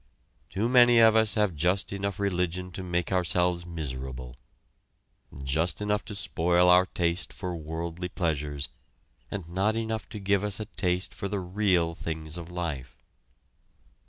Too many of us have just enough religion to make ourselves miserable just enough to spoil our taste for worldly pleasures and not enough to give us a taste for the real things of life.